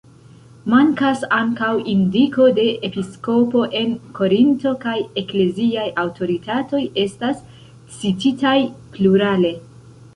Mankas ankaŭ indiko de episkopo en Korinto, kaj ekleziaj aŭtoritatoj estas cititaj plurale.